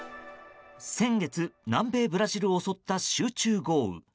先月、南米ブラジルを襲った集中豪雨。